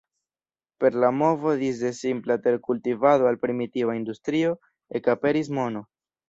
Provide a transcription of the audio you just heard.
Per la movo disde simpla terkultivado al primitiva industrio, ekaperis mono.